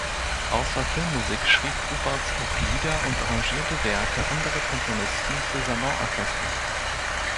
Außer Filmmusik schrieb Huppertz auch Lieder und arrangierte Werke anderer Komponisten für Salonorchester.